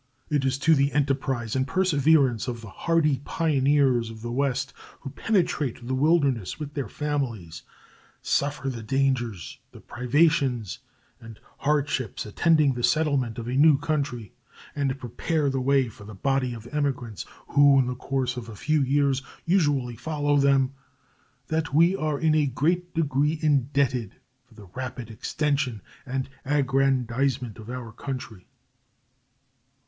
It is to the enterprise and perseverance of the hardy pioneers of the West, who penetrate the wilderness with their families, suffer the dangers, the privations, and hardships attending the settlement of a new country, and prepare the way for the body of emigrants who in the course of a few years usually follow them, that we are in a great degree indebted for the rapid extension and aggrandizement of our country.